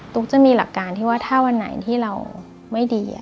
จะมีหลักการที่ว่าถ้าวันไหนที่เราไม่ดี